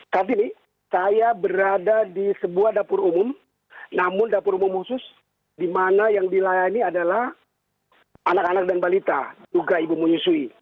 saat ini saya berada di sebuah dapur umum namun dapur umum khusus di mana yang dilayani adalah anak anak dan balita juga ibu menyusui